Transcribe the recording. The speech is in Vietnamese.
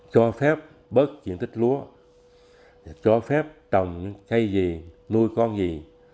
cho phép bớt chuyển thích lúa cho phép trồng cây gì nuôi con gì